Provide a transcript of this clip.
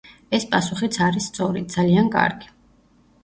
ეს პასუხიც არის სწორი. ძალიან კარგი.